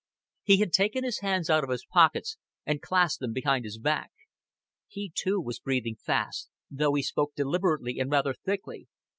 He had taken his hands out of his pockets and clasped them behind his back. He too was breathing fast, though he spoke deliberately and rather thickly.